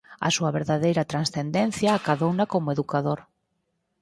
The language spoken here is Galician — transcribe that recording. A súa verdadeira transcendencia acadouna como educador.